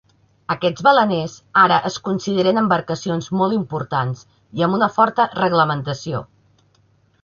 Aquests baleners ara es consideren embarcacions molt importants i amb una forta reglamentació.